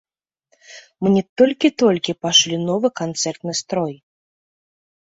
Мне толькі-толькі пашылі новы канцэртны строй.